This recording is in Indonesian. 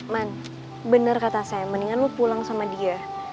man bener kata sam mendingan lo pulang sama dia